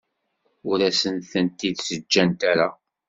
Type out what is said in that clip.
Ur as-tent-id-ǧǧant ara.